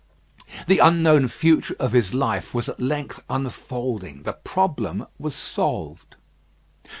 The unknown future of his life was at length unfolding; the problem was solved.